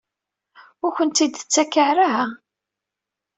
Ur akent-tt-id-tettak ara?